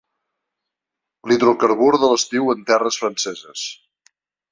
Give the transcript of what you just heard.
L'hidrocarbur de l'estiu en terres franceses.